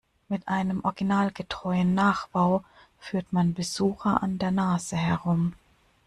Mit einem originalgetreuen Nachbau führt man Besucher an der Nase herum.